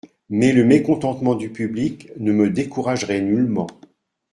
Mais le mécontentement du public ne me découragerait nullement.